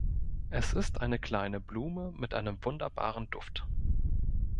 Es ist eine kleine Blume mit einem wunderbaren Duft.